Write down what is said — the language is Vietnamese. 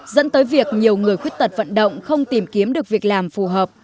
dẫn tới việc nhiều người khuyết tật vận động không tìm kiếm được việc làm phù hợp